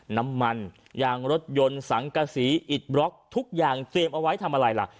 น้ำมันยางรถยนต์สังกษีอิดบล็อกทุกอย่างเตรียมเอาไว้ทำอะไรล่ะ